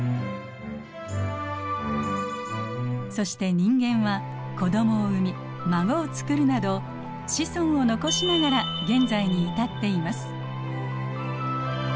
そして人間は子どもを産み孫をつくるなど子孫を残しながら現在に至っています。